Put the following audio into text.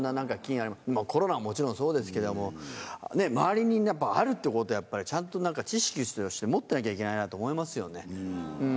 コロナももちろんそうですけども。ってことはちゃんと知識として持ってなきゃいけないなと思いますよね。